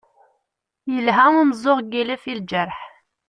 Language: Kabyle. Yelha umeẓẓuɣ n yilef i lǧerḥ.